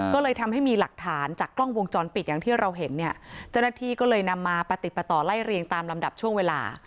ก็เลยทำให้มีหลักฐานจากกล้องวงจรปิดอย่างที่เราเห็นเนี่ยเจ้าหน้าที่ก็เลยนำมาปฏิปต่อไล่เรียงตามลำดับช่วงเวลา